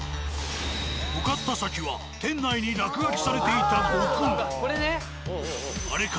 向かった先は店内に落書きされていた「悟空」。